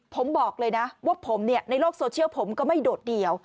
ผมบอกเลยนะว่าผมในโลกโซเชียลผมก็ไม่โดดเดี่ยว